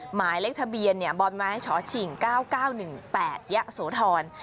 หมายเลขทะเบียนบมชฉิง๙๙๑๘ยะโสธร